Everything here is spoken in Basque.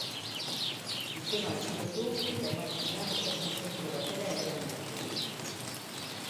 Gizona atxilotu eta emakumea osasun zentro batera eraman dute.